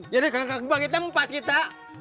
jadi kakak kakak bagi tempat kita